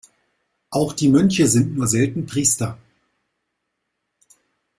Auch die Mönche sind nur selten Priester.